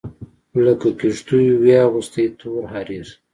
لکه کیږدېو وي اغوستي تور حریر